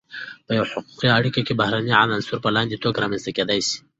په یوه حقوقی اړیکی کی بهرنی عنصر په لاندی توګه رامنځته کیدای سی :